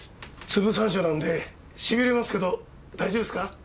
粒山椒なんでしびれますけど大丈夫ですか？